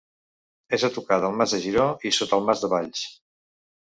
És a tocar del Mas de Giró i sota el Mas de Valls.